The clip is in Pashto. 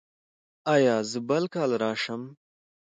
ایا زه بل کال راشم؟